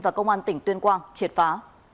và công an tỉnh tuyên quang triệt phá